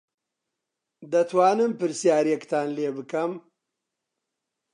دەتوانم پرسیارێکتان لێ بکەم؟